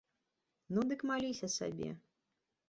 Ну дык маліся сабе.